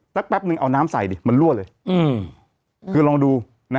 แป๊บแป๊บหนึ่งเอาน้ำใส่ดิมันรั่วเลยอืมคือลองดูนะฮะ